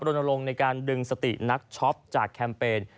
ลงในการดึงสตินักช็อปจากแคมเปญ